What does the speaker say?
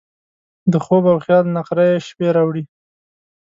د خوب او خیال نقرهيي شپې راوړي